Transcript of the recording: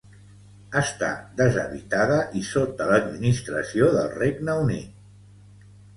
Està deshabitada i sota l'administració del Regne Unit.